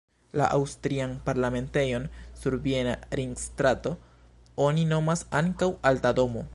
La aŭstrian parlamentejon sur Viena Ringstrato oni nomas ankaŭ Alta Domo.